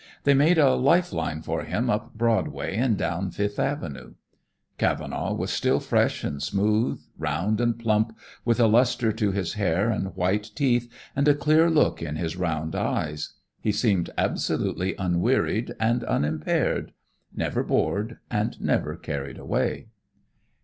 They made a life line for him up Broadway and down Fifth Avenue. Cavenaugh was still fresh and smooth, round and plump, with a lustre to his hair and white teeth and a clear look in his round eyes. He seemed absolutely unwearied and unimpaired; never bored and never carried away.